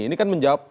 ini kan menjawab